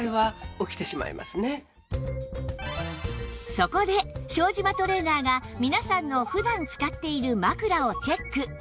そこで庄島トレーナーが皆さんの普段使っている枕をチェック